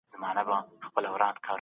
هغه ځوان چي تجربه نه لري تېروتنه کوي.